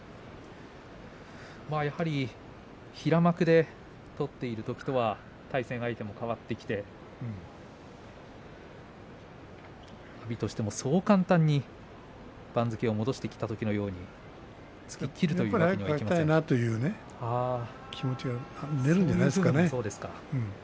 やはり平幕で取っているときとは対戦相手も変わってきて阿炎としても、そう簡単に番付を戻してきたときのように突ききるということは早く勝ちたいなという気持ちが出てしまうんじゃないですか。